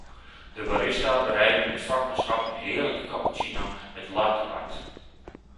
De barista bereidde met vakmanschap een heerlijke cappuccino met latte art.